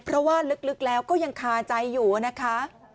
เพราะว่าลึกแล้วก็ยังคาใจอยู่นะคะ